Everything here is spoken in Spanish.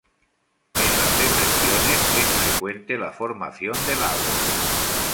En las depresiones, es frecuente la formación de lagos.